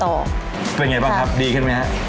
เป็นไงบ้างครับดีขึ้นไหมฮะ